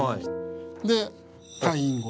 で退院後。